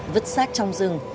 vứt sát trong rừng